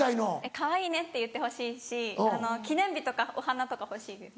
かわいいねって言ってほしいし記念日とかお花とか欲しいです。